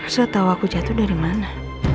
saya tau aku jatuh dari mana